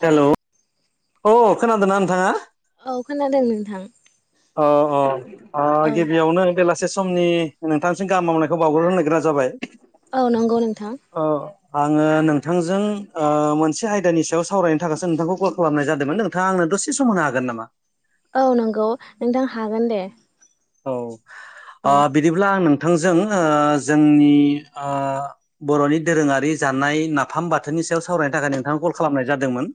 हेल' hello अ खोनादों ना नोंथाङा? औ खोनादों नोंथां। अ अ अ औ गिबियावनो बेला से समनि नोंथांनिसिम गाहाम हामलायनायखौ बाउहरग्रोनाय जाबाय। औ नंगौ नोंथां। अ आङो नोंथांजों मोनसे ओ आयदानि सायाव सावरायनो थाखायसो नोंथांखौ कल खालामनाय जादोंमोन नोंथाङा आंनो दसे समावनो हागोन नामा? औ नंगौ नोंथां हागोन दे। औ औ ओ बिदिब्ला आं नों थांजों ओ जोंनि ओ बर'नि दोरोङारि जानाय नाफाम बाथोननि सायाव सावरायनो थाखाय नोंथांखौ कल खालामनाय जादोंमोन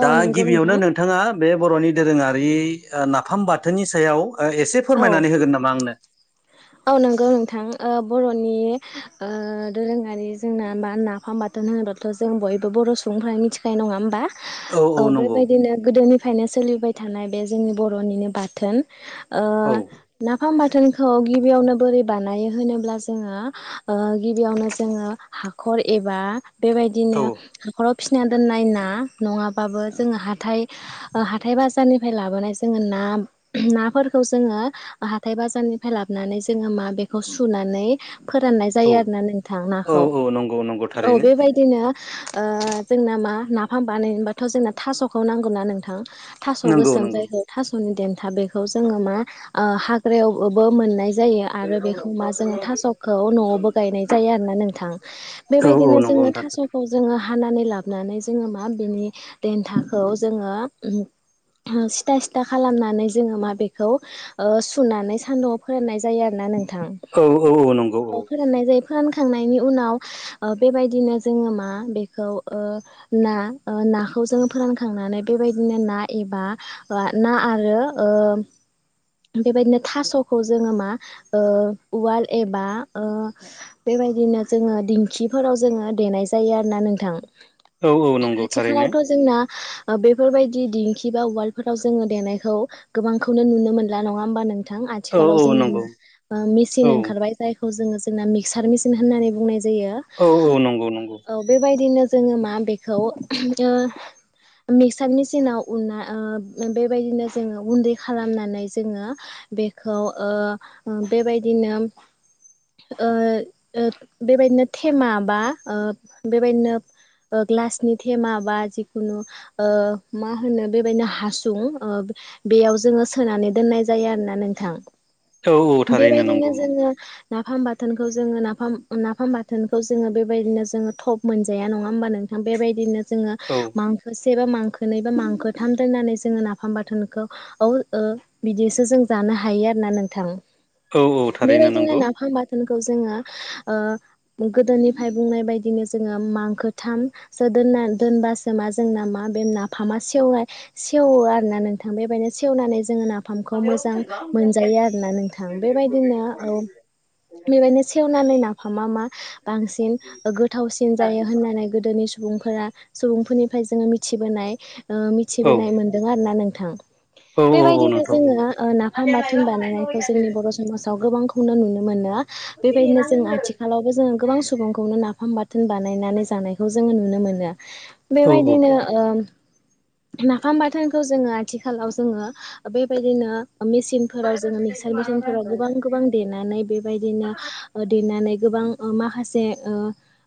औ दा नंगौ गिबियावनो नोंथां नोंथाङा बे बर'नि दोरोङारि नाफाम बाथोननि सायाव ओ एस औ औ नंगौ नोंथां ओ बर'नि ओ दोरोङारि जोंना बा नाफाम बाथोन होनोब्लााथ' जों बयबो बर' सुबुं सुबुंफोरा मिथिखायो नङा होमबा? औ बेबायदिनो गोदोनिफ्रायनो सोलिबाय थानाय बे जोंनि बर'निनो बाथोन ओ औ नाफाम बाथोनखौ गि बियावनो बोरै बानायो होनोब्ला जोङो गिबियावनो जोङो हाखर एबा बेबायदिनो औ हाखराव फिसिना दोननाय ना नङाबाबो जोङो हाथाय हाथाय बाजारनिफ्राय लाबोनाय जोङो ना ना नाफोरखौ खौ जोङो हाथाय बाजारनिफ्राय लाबोनानै जोङो मा बेखौ सुनानै फोराननाय औ जायो आरो ना नोंथां नाखौ औ नंगौ नंगौ औ थारैनो बेबायदिनो ओ जोंना मा नाफाम बानायनोबाथ' जोंना थास'खौ नांगौ ना नोंथां। थास' नंगौ गोसोम नंगौ जायखौ थास'नि देन्था बेखौ जोङो मा ओ हाग्रायावबो मोननाय जायो आरो बे मा जों थास'खौ न'आवबो गायनाय जायो आरोना नोंथां औ औ बेबायदिनो जों नंगौ जोङो नोंथां थास'खौ जोङो हानानै ला लाबनानै जोङो मा बिनि देन्थाखौ जोङो उम सिथा सिथा खालामनानै जोङो माब बे बेखौ ओ सुनानै सान्दुंआव फोराननाय जायो आरोना नोंथां। औ औ औ नंगौ थां औ फोराननाय जायो फोरान खांनायनि उनाव ओ बेबायदिनो जोङो मा बेखौ ओ ना ओ ना खौ जों फोरानखांनानै बेबायदिनो ना एबा ओ ना आरो ओ [inaudible] बेबायदिनो थास'खौ जोङो मा ओ उवाल एबा ओ बेबायदिनो बिदिनो जोङो दिंखिफोराव जोङो देनाय जायो आरोना नोंथां। औ औ नंगौ थारैनो आथिखालावथ' जोंना ओ बेफोरबायदि दिेंखि बा उवालफोराव जोङो देनायखौ गोबां खौनो नुनो मोनला नङा होमबा नोंथां औ आथिखालाव औ जोंनो नंगौ मा मेचन औ ओंखारबाय जाय खौ जों मिक्सार मिचन होननानै बुंनाय जायो औ औ नंगौ नंगौ औ बेबायदिनो जोङो मा बेखौ ओ मिक्सार मेसिनाव उना ओ बेबायदिनो जोङो गुन्दै खालामनानै जोङो बेखौ ओ बेबायदिनो ओ ओ बेबायदिनो थेमा बा ओ बेबायदिनो ओ ग्लासनि थेमा बा जिखुनु ओ मा होनो बेबायदिनो हासुं ओ बेयाव जोङो सोनानै दोननाय जायो आरोना नोंथां। औ औ थारैनो बेबायदिनो नंगौ नंगौ जोङो नाफाम बा थोनखौ जोङो नाफाम नाफाम बाथोनखौ जोङो बेबायदिनो जोङो थब मोनजाया नङा होमबा नोंथां बेबायदिनो जोङो औ मांखो से बा मांखो नै बा मांखोथाम दोननानै जोङो नाफाम बाथोनखो। औ ओ बिदिसो जों जानो हायो आरोना नोंथां। औ औ थारैनो बेबायायदि नंगौ नाफाम बाथोन खौ जोंङो ओ गोदोनिफ्राय बुंनाय बदिनो जोङो मांखोथामो सो दोन ना दोनबासो मा जोंना मा बे नाफामा सेवनाय सेवो आरो ना नोंथां बेबादि सेवनानै जोङो नाफामखौ मोजां मोनजायो आरोना नोंथां बेबायदिनो औ। बेबायदिनो सेवनानै ना फामा मा बांसिन गोथावसिन जायो होननानै गोदोनि सुबुं फोरा सुबुंफोरनिफ्राय जोङो मिबोनाय ओ औ मिथिबोनाय मोनदों आरो ना नोंथां। औ औ बेबायदिनो नोंथां जोङो ओ नाफाम बाथोन बानायनायखौ जोंनि बर' समाजाव। गोबांखौनो नुनो मोनो बेबायदिनो जों आथिखालावबो जोङो गोबां सुबुंखौनो नाफाम बा थोन बानायनानै जानायखौ जोङो नुनो मोनो औ बेबायदिनो ओ नाफाम बाथोनखौ जोङो आथिखालाव जोङो बेबायदिनो मेसिनफोराव जोङो मिक्सार मेसिनफोराव गोबां गोबां देनानै बेबायदिनो ओ देनानै गोबां। ओ माखासे ओ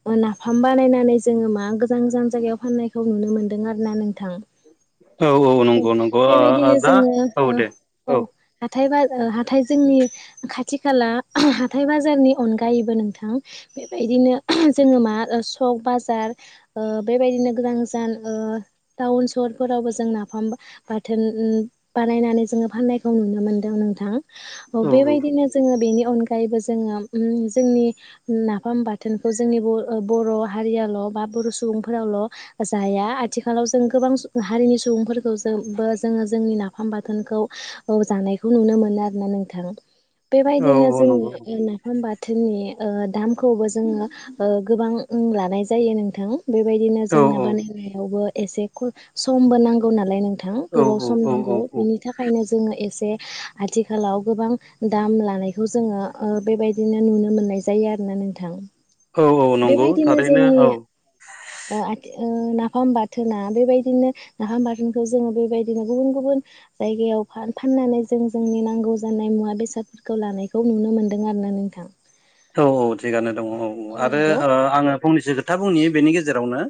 ओ नाफाम बानायनानै जोङो मा गोजान-गोजान जायगायाव फाननायखौ नुनो मोन्दों आरो ना नों औ-औ नंगौ-नंगौ। बेबायदिनो जोङो ओ औ। हाथाय बा ओ हाथाय जोंनि खाथि खाला हाथाय बाजारनि अनगायैबो नोंथां। बेबायदिनो जोङो मा ओ सक बाजार ओ बेबायदिनो गोदान गोजान ओ टाउन सहरफोरावबो जों नाफाम बाथोन उम बानायनानै जोङो फाननायखौ नुनो मोनदों नोंथां। औ बेबायदिनो जोङो बेनि अन गायैबो जोङो उम जोंनि नाफाम बाथोनखौ जोंनि ओ बर' हारियाल' बा बर' सुबुंफोरावल' जाया आथिखालाव जों गोबां सु हारिनि सुबुंफोरखौ जो [unintelligible] बो जोङो जोंनि नाफाम बाथोनखौ जानायखौ नुनो मोनो आरोोना नोंथां। औ बेबायदिनो औ नंगौ जोङो नाफाम बा थोननि ओ दामखौबो जोङो ओ गोबां लानाय जायो नोंथां। बेबायदिनो औ जोंना औ बानायनायावबो एसे समबो नांगौ नालाय नों थां औ गोबाव सम औ नांगौ बिनि थाखायनो जोङो एसे आथिखालाव गोबां दाम लानायखौ जोङो ओ बेबायदिनो नुनो मोननाय जायो आरो नो नोंथां औ औ नंगौ बेबायदिनो थारैनो जोंनि औ अ आथ उम नाफाम बाथोना बेबायदिनो नाफाम बाथोन खौ जोङो बेबायदिनो गुबुन-गुबुन जायगायाव फाननानै जों जोंनि नांगौ जानाय मुवा बेसाद। फोरखौ लानायखौ नुनो मोन्दों आरो ना नोंथां। औ-औ थिगानो दङ औ औ आरो आङो फंनैसो खोथा बुंनि बेनि गेजेरावनो।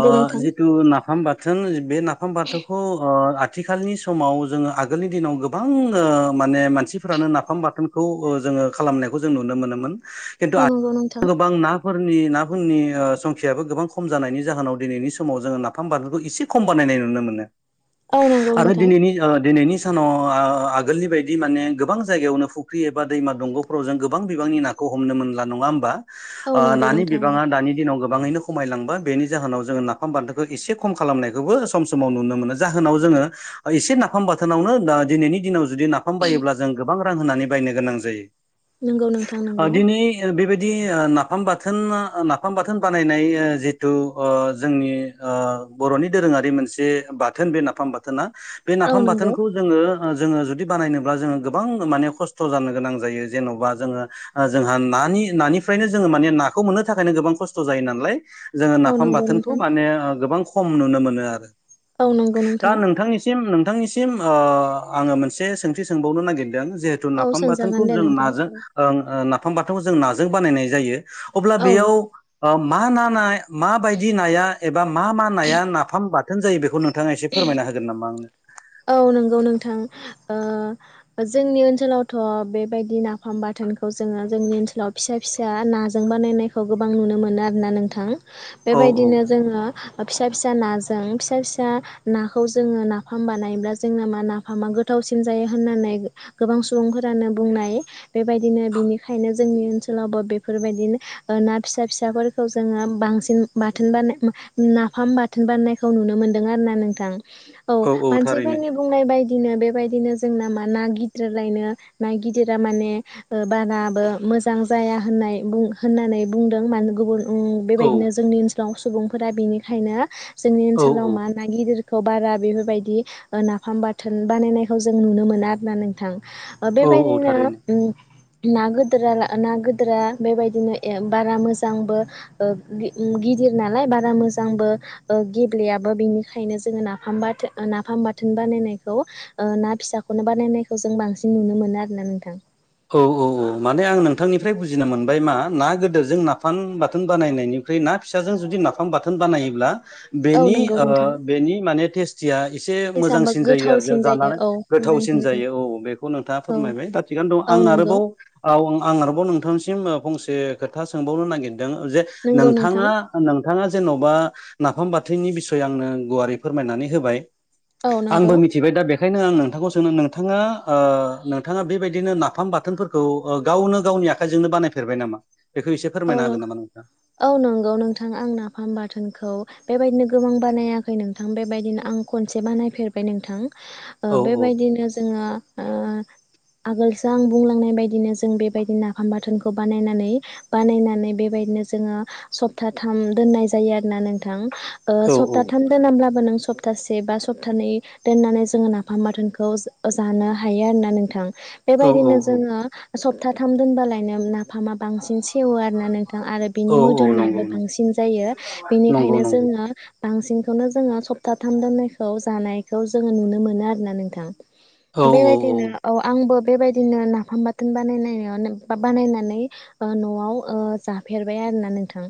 अ जिथु नाफाम बाथ थोन बे नाफाम बाथौखौ ओ आथिखालनि समाव जोङो आगोलनि दिनाव गोबां ओ मा माने मानसिफोरानो नाफाम बाथोनखौ ओ जोङो खालामनायखौ जों नुनो मोनो खिन्थु आथि नंगौ [unintelligible] नोंथां गोबां ना फोरनि नाफोरनि संखियाबो गोबां खम जानायनि जाहोनाव दिनैनि समाव जोङो नाफाम बानलुखौ एसे खम बानाय नाय नुनो मोनो औ नंगौ आरो नोंथां दिनैनि ओ दिनैनि न आगोलनि बायदि माने गोबां जायगायावनो फुख्रि एबा दैमा दंग'फोराव जों गोबां बिबांनि ना खौ हमनो मोनला नङा होमबा औ ओ नंगौ नानि नोंथां बिबाङा औ दानि दिनाव गो बाङैनो खमायलांबा बेनि जाहोनाव जोङो नाफाम बान्दोखौ एसे खम खालामनायखौबो सम समाव नुनो मोनो जाहोनाव जो ङो ओ एसे नाफाम बाथोनावनो दा दिनैनि दिनाव जुदि नाफाम बायोब्ला जों गोबां रां होनानै बायनो गोनां जायो। नोंगौ नों ओ दिनै बेबाय दि ओ नाफाम बाथोन ओ नाफाम बाथोन बानायनाय जिथु ओ जोंनि ओ बर'नि दोरोङारि मोनसे बाथोन बे नाफाम बाथोना बे औ नाफाम नंगौ बाथोनखौ जोङो जोङो जुदि बानायनोब्ला जोङो गोबां माने खस्थ' जानो गोनां जायो जेन'बा जोङो जोंहा नानि नानिफ्रायनो जोङो माने नाखौ मोननो थाखायनो गोबां खस्थ' जायो नालाय जोङो औ नाफाम नंगौ बाथोनखौ नोंथां माने गोबां खम नुनो मोनो आरो। औ नंगौ दा नोंथां नोंथांनिसिम बिथांनिसिम आङो मोनसे सोंथि सोंबावनो नागिरदों जिहेथु औ नाफाम सोंजागोन बाथोनखौ दे जों नोंथां नाजों नाफाम बाथोनखौ जों नाजों बानायनाय जायो। अब्ला औ बेयाव मा नानाय माबायदि नाया एबा मा मा नाया नाफाम बाथोन जायो बेखौ नु नोंथाङा एसे फोरमायना होगोन नामा आंनो? नोंगौ नोंथां ओ जोंनि ओनसोलावथ' बेबायदि नाफाम बाथोनखौ जों जोंनि ओनसोलाव फिसा फिसा नाजों बानायनायखौ गोबां नुनो मोनो आरोना नोंथां। औ औ बेबायदिनो जोङो फि फिसा फिसा नाजों फिसा फिसा नाखौ जोङो नाफाम बा नायब्ला जोंना मा नाफामा गोथावसिन जायो होन्नानै गोबां सुबुंफोरानो बुंनाय बेबाय दिनो बिनिखायनो जोंनि ओनसोलावबो बेफोरबायदिनो ना फिसा फिसाफोरखौ जोङो बांसिन बाथोन बानाय नाफाम बाथोन बानायनायखौ नुनो मोन्दों आरो ना नोंथां। औ औ थारैनो मानसिफोरनि बुंनाय बायदि नो बेबायदिनो जोंना मा गिदिरायनो न गिदिरा माने ओ बाराबो मोजां जाया होननाय बुं होननानै बुंदों मानो गुबुन औ बेबायदिनो जोंनि ओनसोलाव सुबुंफोरा बेनिखायनो जोंनि औ ओनसोलाव मा ना गिदिर खौ बारा बेफोरबायदि नाफाम बाथोन बानायनायखौ जों नुनो मोनो आर ना नोंथां। औ औ आबेबायदिनो थारैनो ना ना गदोरा बेबायदिनो बारा मोजांबो ओ गिदिर नालाय बारा मोजांबो ओ गेब्लेयाबबो बिनिखायनो जोङो नाफामबो नाफाम बाथोन बानायनायखौ ओ ना फिसाखौनो बानायनायखौ जों बांसिन नुनो मोनो आरो ना नोंथां। औ औ औ माने आं नोंथांनिफ्राय बुजिनो मोनबाय मा ना गोदोरजों नाफान बाथोन बानायनायनि ना फिसाजों जुदि नाफाम बाथोन बानायोब्ला औ बेनि नंगौ ओ नोंथां बेनि माने टेस्टिया एसे टेसाबो मोजांसिन जायो आरो गोथावसिन ज जायो जानानै औ गोथावसिन मोजांसिन जायो औ बेखौ नोंथाङा औ फोरमायबाय दा थिगानो दं औ आं नंगौ आरोबाव आं आरोबाव नोंथांनिसिम फंसे खोथा सोंबावनो नागिरदों जे नंगौ नोंथां नोंथाङा नोंथाङा जेन'बा नाफाम बाथोनि बिसय आंनो गुवारै फोरमायनानै होबाय औ नंगौ आंबो मिथिबाय दा बेखायनो आं नोंथांखौ सोंनो नोंथाङा ओ नोंथाङा बेबायदिनो ना नाफाम बाथोनफोरखौ गावनो गावनि आखाइजोंनो बानायफेरबाय नामा? बेखौ एसे औ फोरमायना हागोन नामा नोंथाङा औ नंगौ नोंथाङा आं नाफाम बाथोनखौ बेबायदिनो गोबां बानायाखै नोंथां बेबायदिनो आं खनसे बानायफेरबाय नोंथां। औ औ बेबायदिनो जोङो आगोलसो आं बुंलांनाय बायदिनो जों बेबायदि नाफाम बाथोनखौ बानायनानै बानायनानै बेबायदिनो जोङो सप्थाथाम दोननाय जायो आरोना नोंथां। औ सप्ताथाम दोनाबब्लाबो नों सप्तासे बा सप्तानै दोननानै जोङो नाफाम माथोनखौ जानो हायो आरोना नोंथां। औ औ बेबायदिनो औ जोङो सप्ताथाम दोनबालायनो नाफामा बां सेवो आरो ना नोंथां आरो बिनि औ औ नंगौ मोदोमनायाबो नंगौ बांसिन जायो नंगौ बेनिखायनो नंगौ जोङो बांसिन बेखौनो जोङो सप्तााथाम दामनायखौ जानायखौ जोङो नुनो मोनो आरोना नोंथां। औ औ बेबायदिनो औ आंबो बेबायदिनो नाफाम बाथोन बानाय बा बानायनानै न'आव वाव जाफेरबाय आरोना नोंथां।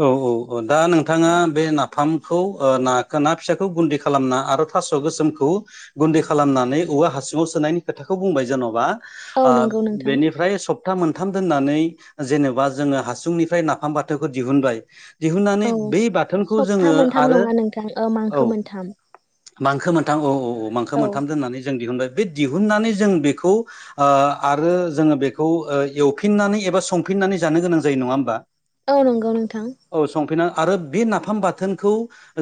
औ औ औ दा नोंथाङा बे नाफामखौ नाखौ ना फिसाखौ गुदि खालामना आरो थास' गोसोमखौ गुन्दै खालामनानै औवा हसिुङाव सोनायनि खोथाखौ बुंबाय जेन'बा औ ओ नंगौ नोंथां बेनिफ्राय सप्ता मोनथाम दोननानै जेनेबा जोङो हासुंनिफ्राय नाफाम बाथोखौ दिहुनबाय दिहुननानै औ बे बाथोनखौ सप्ता जोङो मोनथाम आरो नङा नोंथां ओ औ मांखो मोनथाम मांखो मोनथाम औ औ औ मांखो मोनथाम दोननानै जों दिहुनबाय बे दिहुननानै जों बेखौ ओ आरो जोङो बेखौ ओ एवफिननानै एबा संफिननानै जानो गोनां जायो नङा होमबा औ नंगौ नोंथां औ संफिना आरो बे नाफाम बाथोनखौ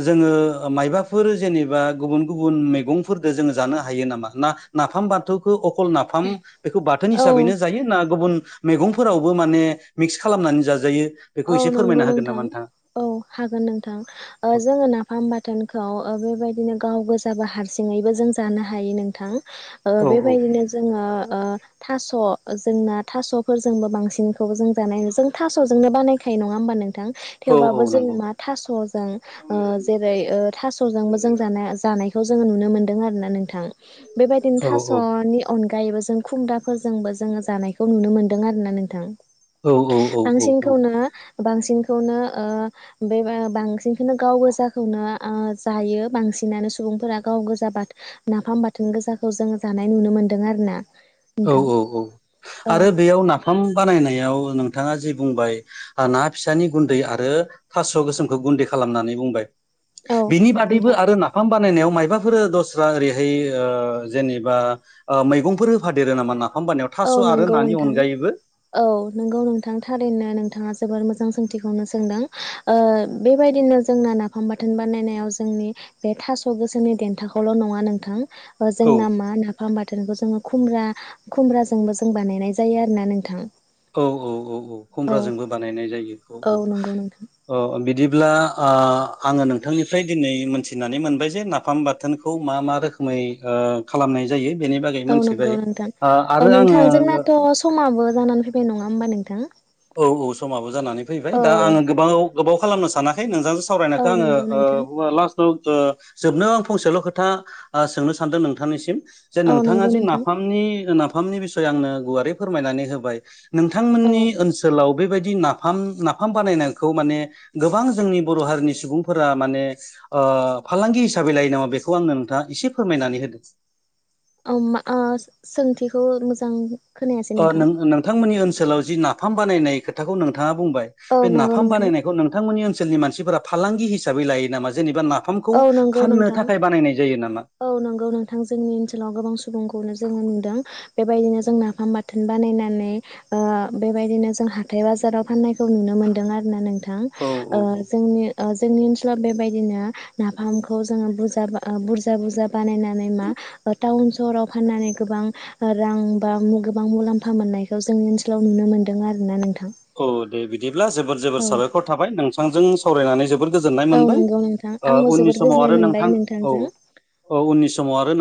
जोङो मायबाफोर जेनेबा गुबुन गुबुन मैगंफोर फोरदो जों जानो हायो नामा ना नाफाम बाथौखौ अ खल नाफाम बेखौ बाथोन औ हिसाबैनो जायो ना गुबुन मैगंफोरावबो माने मिक्स खालामनानै जाजायो बेखौ औ एसे नंगौ फोरमायना होगोन नामा नोंथां नोंथाङा औ हागोन नोंथां औ जोङो नाफाम बाथोनखौ बेबायदिनो गाव गोजाबो हारसिङैबो जों जानो हायो नोंथां ओ औ बेबायदिनो जोङो ओ थास' जोंना थास'फोरजोंबो बांसिनखौ जों जानायो जों थास'जोंनो बानाय खायो नङा होमबा नोंथां औ औ थेवबाबो जों नंगौ मा थास'जों ओ जेरै ओ थास'जोंबो जों जानाय जानाय खौ जोङो नुनो मोनदों आरोना नोंथां बेबायदिनो औ औ थास'नि अन गायबो जों खुमदाफोरजोंबो जोङो जानायखौ नुनो मोन्दों आरोना नोंथां औ औ औ औ औ बांसिनखौनो बांसिनखौनो ओ बे बांसिनखौनो गाव गोसाखौनो ओ जायो बांसिन नानो सुबुंफोरा गाव गोजा बाथ नाफाम बाथोन गोजाखौ जोङो जानाय नुनो मोन्दों आरोना औ नोंथां औ औ औ आरो बेयाव नाफाम बानायनायाव नोंथाङा जि बुंबाय ओ ना फिसानि गुन्दै आरो थास' गोसोमखौ गुन्दै खालामनानै बुंबाय औ बिनि बादैबो नोंथां आरो नाफाम बानायनाय मबाफोर दस्रा ओरैहाय ओ जेनेबा ओ मैगंफोर होफादेरो नामा ना औ नंगौ नोंथां औ नंगौ नोंथां थारैनो नोंथाङा जोबोर मोजां सोंथिखौनो सोंदों ओ बेबायदिनो जोंना नाफाम बाथोन बानायनायाव जोंनि बे थास' गोसोमनि देन्थाखौल' नङा नोंथां ओ औ जोंना मा नाफाम बाथोनखौ जोङो खुमब्रा खुमब्राजोंबो जों बानायनाय जायो आरोना नोंथां औ औ औ औ खुमब्राजोंबो बानायनाय जायो औ नंगौ नोंथां औ ओ बिदि ब्ला ओ आङो नोंथांनिफ्राय दिनै मोनथिनानै मोनबाय जे नाफाम बाथोनखौ मा मा रोखोमै ओ खालामनाय जायो बेनि बागै औ मोनथिबाय नंगौ नोंथां ओ औ आरो नोंथां आङो जोंनाथ' समाबो जानानै फैबाय नङा होमबा नोंथां औ औ समाबो जानानै फैबाय औ दा आङो गोबाव गोबाव खालामनो सानाखै नोंजों औ सावरायनायखौ आङो नंगौ नोंथां ओ ला ओ जोबनो आं फंसेल' खोथा सोंनो सानदों नोंथांनिसिम जे औ नोंथाङा नंगौ जि नोंथां नाफामनि नाफामनि बिसय आंनो गुवारै फोरमायनानै होबाय औ नोंथांमोननि ओनसोल लाव बेबायदि नाफाम नाफाम बानायनायखौ माने गोबां जोंनि बर' हारिनि सुबुंफोरा माने ओ फालांगि हिसाबै लायो नामा बेखौ आंनो नोंथाङा एसे फोरमायनानै होदो मा सोंथिखौ मोजां खोनायासै नोंथां नोंथांमोननि ओनसोलाव जि नाफाम बानायनाय खोथाखौ नोंथां नोंथाङा बुंबाय औ बे नंगौ नाफाम नोंथां बानायनायखौ नोंथांमोननि ओनसनि मानसिफोरा फालांगि हिसाबै लायो नामा? जेनेबा नाफ औ नंगौ नोंथां नामा? औ नंगौ नोंथां जोंनि ओनसोलाव गोबां सुबुंखौ जोङो नुदों बेबायदिनो जों नाफाम बाथोन बानायनानै ओ बेबायदिनो जों हाथ थाइ बाजाराव फाननायखौ नुनो मोनदों आरो नों थां औ ओ औ औ जोंनि ओ जोंनि ओनसोलाव बेबायदिनो नाफामखौ जोङो बुरजा ओ बुरजा बुरजा बानायनानै मा ओ टाउन सहराव फाननानै गोबां रां बा मु गोबां मुलाम्फा मोननायखौ जोंनि ओनसोलाव नुनो मोनदों आरोना नोंथां। औ दे बिदिब्ला जोबोर जोबोर औ साबायखर थाबाय नोंथांजों सावरायनानै जोबोर गोजोननाय औ मोनबाय। नंगौ नोंथां आंबो उननि जोबोद समाव गोजोननाय आरो मोनबाय नोंथां औ नोंथांजों औ उननि समाव आरो